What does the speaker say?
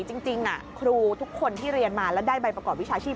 จริงครูทุกคนที่เรียนมาแล้วได้ใบประกอบวิชาชีพ